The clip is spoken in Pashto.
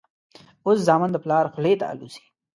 اوس زامن د پلار خولې ته الوزي.